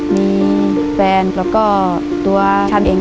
มีแฟนแล้วก็ตัวฉันเอง